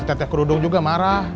si tetek kerudung juga marah